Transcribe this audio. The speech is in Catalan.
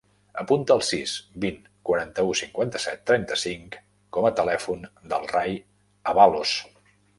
Apunta el sis, vint, quaranta-u, cinquanta-set, trenta-cinc com a telèfon del Rai Abalos.